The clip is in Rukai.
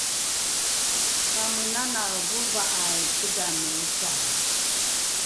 pamenanae vova’ai tigamini ocao